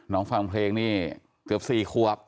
น้องฟังเพลงนี่เกือบ๔ควบ